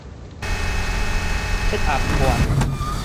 血壓懸